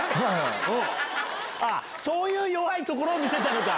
あっそういう弱いところを見せたのか。